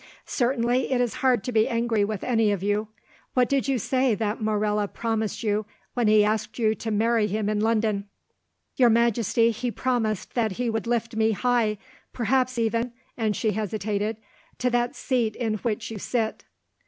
Certainly it is hard to be angry with any of you. What did you say that Morella promised you when he asked you to marry him in London?" "Your Majesty, he promised that he would lift me high, perhaps even"—and she hesitated—"to that seat in which you sit."